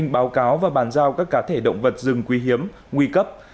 báo cáo và bàn giao các cá thể động vật rừng quý hiếm nguy cấp